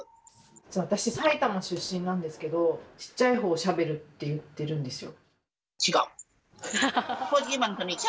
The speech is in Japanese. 実は私埼玉出身なんですけどちっちゃいほうをシャベルって言ってるんですよ。